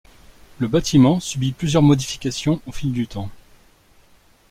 Le bâtiment subit plusieurs modifications au fil du temps.